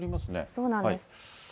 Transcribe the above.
そうなんです。